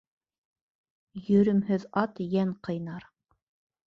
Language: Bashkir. Йөрөмһөҙ ат йән ҡыйнар.